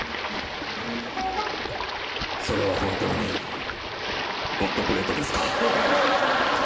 「それは本当にホットプレートですか？」。